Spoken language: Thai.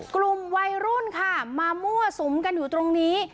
กลุ่มวัยรุ่นค่ะมามั่วสุมกันอยู่ตรงนี้